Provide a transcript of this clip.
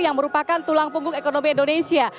yang merupakan tulang punggung ekonomi indonesia